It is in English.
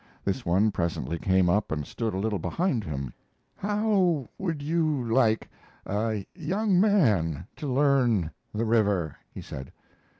This one presently came up and stood a little behind him. "How would you like a young man to learn the river?" he said.